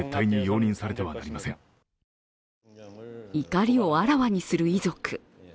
怒りをあらわにする遺族。